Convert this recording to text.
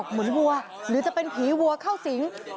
เหมือนวัวหรือจะเป็นผีวัวเข้าสิง